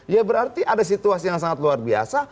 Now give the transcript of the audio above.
ya berarti ada situasi yang sangat luar biasa